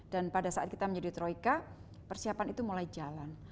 dan pada saat kita menjadi troika persiapan itu mulai jalan